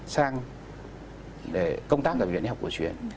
sang công tác của viện y học cổ truyền